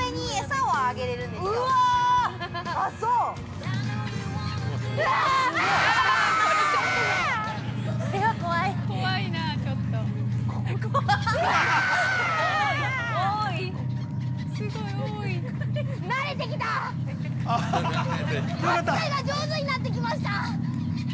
扱いが上手になってきました。